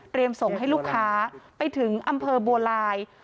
ส่งให้ลูกค้าไปถึงอำเภอบัวลาย